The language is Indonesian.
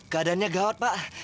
keadaannya gawat pak